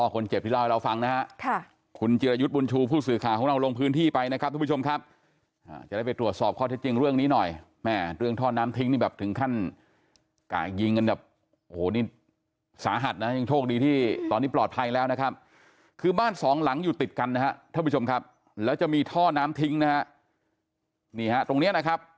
เขาก็กะยิงหัวใจแล้วมั้งค่ะนะแต่มันไปถูกไหลเนี่ย